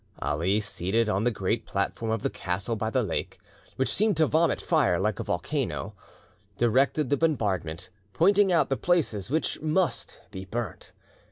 Ali, seated on the great platform of the castle by the lake, which seemed to vomit fire like a volcano, directed the bombardment, pointing out the places which must be burnt.